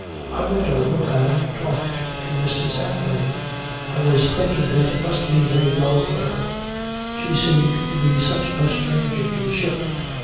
"I went over and talked to Mrs. Anthony. I was thinking that it must be very dull for her. She seemed to be such a stranger to the ship."